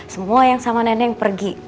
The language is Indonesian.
semua yang sama nenek pergi